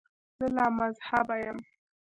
زه لامذهبه یم.